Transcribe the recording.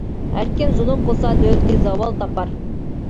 ھەر كىم زۇلۇم قىلسا دۆلىتى زاۋال تاپار.